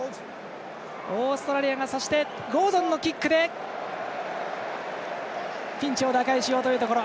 オーストラリアがゴードンのキックでピンチを打開しようというところ。